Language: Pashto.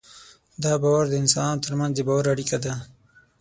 دا باور د انسانانو تر منځ د باور اړیکه ده.